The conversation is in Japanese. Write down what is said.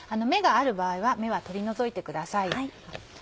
芽がある場合は芽は取り除いてください。